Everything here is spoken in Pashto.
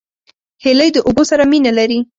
هیلۍ د اوبو سره مینه لري